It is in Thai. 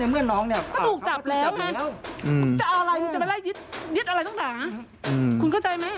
และถ้ากูให้เราไปหารัฐขาด